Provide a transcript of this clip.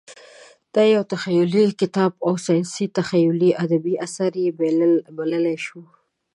دا یو تخیلي کتاب و او ساینسي تخیلي ادبي اثر یې بللی شو.